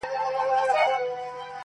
o چي خر نه لرې، خر نه ارزې٫